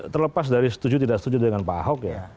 terlepas dari setuju tidak setuju dengan pak ahok ya